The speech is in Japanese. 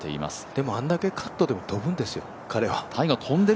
でもあれだけカットでも飛ぶんですよ、彼は。